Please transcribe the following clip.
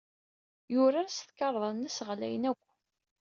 Yurar s tkarḍa-nnes ɣlayen akk.